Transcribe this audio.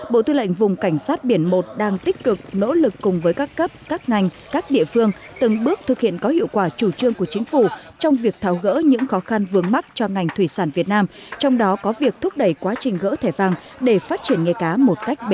bộ tư lệnh vùng cảnh sát biển một đang tích cực các ngành các địa phương từng bước thực hiện có hiệu quả chủ trương của chính phủ trong việc thảo gỡ những khó khăn vương mắc cho ngành thủy sản việt nam